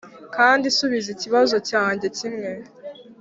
kandi subiza ikibazo cyanjye kimwe,